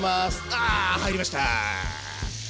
あ入りました。